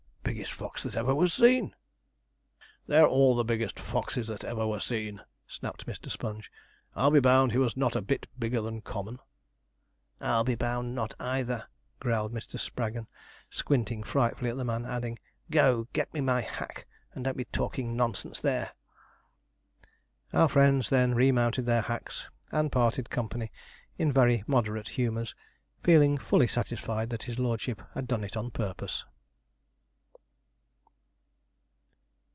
biggest fox that ever was seen.' 'They are all the biggest foxes that ever were seen,' snapped Mr. Sponge. 'I'll be bound he was not a bit bigger than common.' 'I'll be bound not, either,' growled Mr. Spraggon, squinting frightfully at the man, adding, 'go, get me my hack, and don't be talking nonsense there.' Our friends then remounted their hacks and parted company in very moderate humours, feeling fully satisfied that his lordship had done it on purpose.